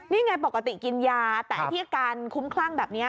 นี่ไงปกติกินยาแต่ไอ้ที่อาการคุ้มคลั่งแบบนี้